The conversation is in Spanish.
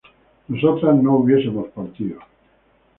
nosotras no hubiésemos partido